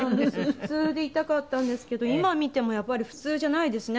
普通でいたかったんですけど今見てもやっぱり普通じゃないですね